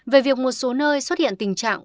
về việc một số nơi xuất hiện tình trạng